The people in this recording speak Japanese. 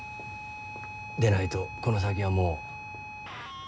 でないとこの先はもう。